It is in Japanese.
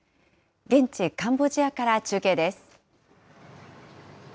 現地、カンボジアから中継です。